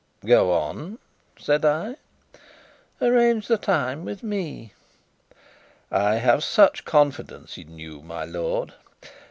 "Go on," said I. "Arrange the time with me." "I have such confidence in you, my lord!"